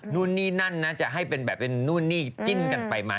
นู่นนี่นั่นนะจะให้เป็นแบบเป็นนู่นนี่จิ้นกันไปมา